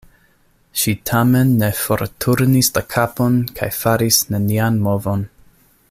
Ŝi tamen ne forturnis la kapon kaj faris nenian movon.